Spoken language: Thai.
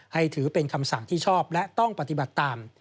ถือเป็นคำสั่งที่ชอบและต้องปฏิบัติตาม